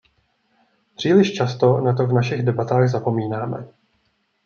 Příliš často na to v našich debatách zapomínáme.